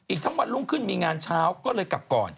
ทั้งวันรุ่งขึ้นมีงานเช้าก็เลยกลับก่อน